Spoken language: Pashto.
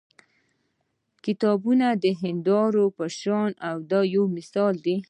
کتابونه د هیندارو په شان دي دا یو مثال دی.